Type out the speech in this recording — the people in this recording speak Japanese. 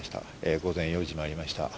午前４時を回りました。